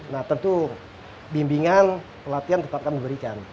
nah tentu bimbingan pelatihan tetap akan diberikan